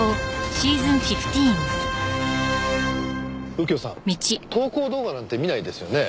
右京さん投稿動画なんて見ないですよね？